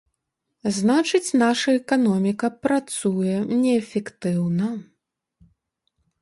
Значыць, наша эканоміка працуе неэфектыўна?